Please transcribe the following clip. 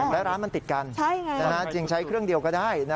และร้านมันติดกันจึงใช้เครื่องเดียวก็ได้